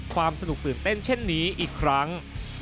ความสนุกตื่นเต้นเช่นนี้อีกครั้ง